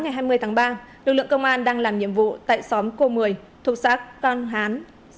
giờ sáng ngày hai mươi tháng ba lực lượng công an đang làm nhiệm vụ tại xóm cô mười thuộc xã quang hán